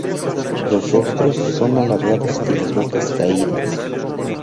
Los rostros son alargados y las bocas caídas.